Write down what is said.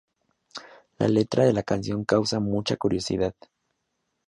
La letra de la canción causa mucha curiosidad.